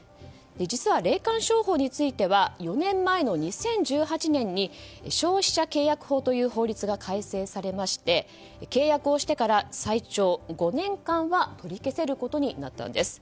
実は霊感商法については４年前の２０１８年に消費者契約法という法律が改正されまして契約をしてから最長５年間は取り消せることになったんです。